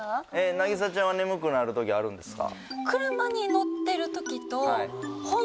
凪咲ちゃんは眠くなる時あるんですか？